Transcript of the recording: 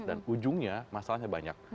dan ujungnya masalahnya banyak